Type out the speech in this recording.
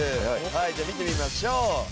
じゃあ見てみましょう。